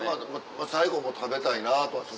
最後も食べたいなとは。